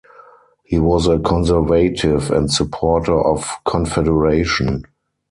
He was a Conservative and supporter of Confederation.